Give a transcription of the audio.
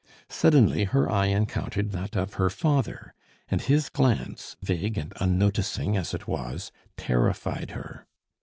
Suddenly her eye encountered that of her father; and his glance, vague and unnoticing as it was, terrified her.